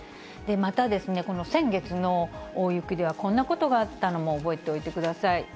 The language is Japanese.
また、この先月の大雪ではこんなことがあったのも覚えておいてください。